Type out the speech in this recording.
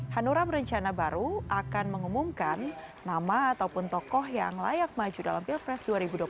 hanura berencana baru akan mengumumkan nama ataupun tokoh yang layak maju dalam pilpres dua ribu dua puluh empat